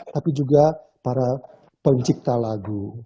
tapi juga para pencipta lagu